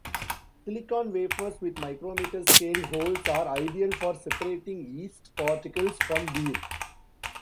Silicon wafers with micrometer-scale holes are ideal for separating yeast particles from beer.